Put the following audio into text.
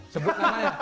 sebut nama ya